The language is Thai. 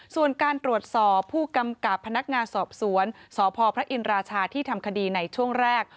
ส่วนการตรวจสอบผู้กำกับพนักงานสอบสวนสพพระอินราชาที่ทำคดีในช่วงแรก